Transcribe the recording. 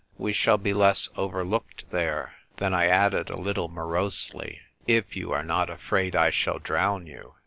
" We shall be less overlooked there." Then I added a little morosely, " If you are not afraid I shall drown you."